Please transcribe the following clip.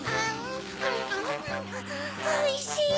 おいしい！